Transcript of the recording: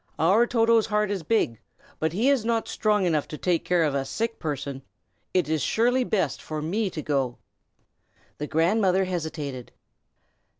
Our Toto's heart is big, but he is not strong enough to take care of a sick person. It is surely best for me to go." The grandmother hesitated.